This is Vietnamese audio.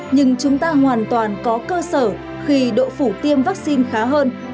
nhưng chúng ta hoàn toàn có cơ sở khi độ phủ tiêm vaccine khá hơn